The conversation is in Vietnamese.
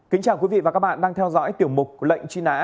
kính chào quý vị và các bạn đang theo dõi tiểu mục lệnh truy nã